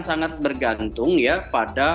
sangat bergantung ya pada